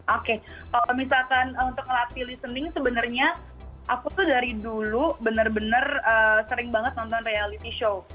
oke kalau misalkan untuk ngelatih listening sebenarnya aku tuh dari dulu benar benar sering banget nonton reality show